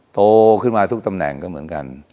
โตขึ้นมาทุกตำแหน่งก็เหมือนกัน